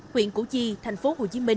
huyện củ chi tp hcm